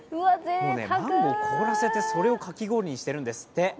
マンゴーを凍らせて、それをかき氷をにしているんでって。